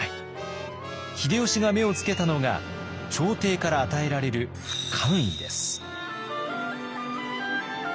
秀吉が目をつけたのが朝廷から与えられる官位です。